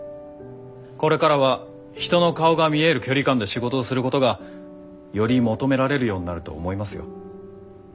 これからは人の顔が見える距離感で仕事をすることがより求められるようになると思いますよ。